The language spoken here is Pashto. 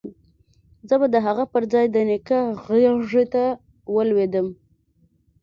زه به د هغه پر ځاى د نيکه غېږې ته ولوېدم.